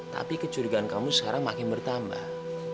tapi kecurigaan kamu sekarang makin bertambah